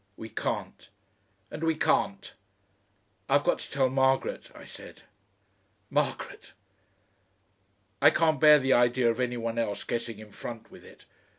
"We can't." "And we can't!" "I've got to tell Margaret," I said. "Margaret!" "I can't bear the idea of any one else getting in front with it.